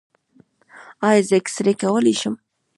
ایا زه اکسرې کولی شم؟